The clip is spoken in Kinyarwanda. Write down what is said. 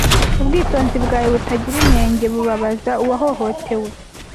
ubwitonzi bwawe butagira inenge bubabaza uwahohotewe